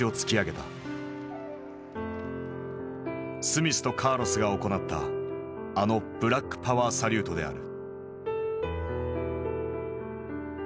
スミスとカーロスが行ったあのブラックパワー・サリュートである。